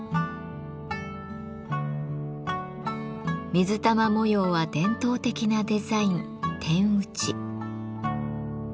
水玉模様は伝統的なデザイン点打ち。